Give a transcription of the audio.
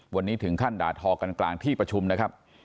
วันนี้ถึงขั้นด่าทอกันกลางที่ประชุมนะครับ